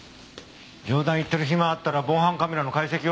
冗談言ってる暇があったら防犯カメラの解析は？